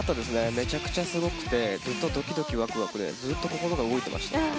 めちゃくちゃすごくてずっとドキドキワクワクでずっと心が動いていました。